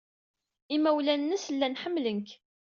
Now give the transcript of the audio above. Imawlan-nnes llan ḥemmlen-k.